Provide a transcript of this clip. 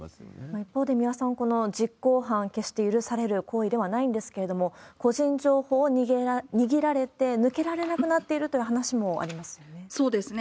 一方で、三輪さん、この実行犯、決して許される行為ではないんですけれども、個人情報を握られて、抜けられなくなっているという話もありますよね。